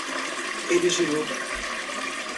Ele girou